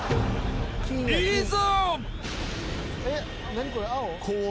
［いざ！］